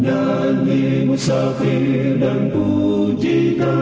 nyanyi musafir dan bunyikanlah